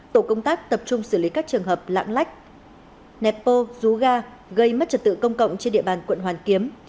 tổ công tác tập trung xử lý các trường hợp lãng lách nẹp bô rú ga gây mất trật tự công cộng trên địa bàn quận hoàn kiếm